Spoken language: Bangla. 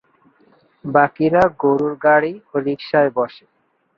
বাকিরা গরুর গাড়ি ও রিকশায় বসে।